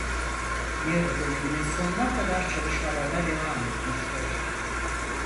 Nero döneminin sonuna kadar çalışmalarına devam etmiştir.